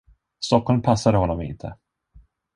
Stockholm passade honom inte.